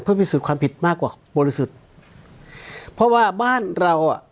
พิสูจน์ความผิดมากกว่าบริสุทธิ์เพราะว่าบ้านเราอ่ะ